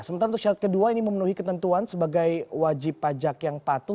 sementara untuk syarat kedua ini memenuhi ketentuan sebagai wajib pajak yang patuh